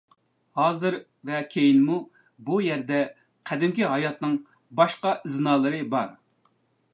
ھازىر ۋە كېيىنمۇ بۇ يەردە قەدىمكى ھاياتنىڭ باشقا ئىزنالىرى بار.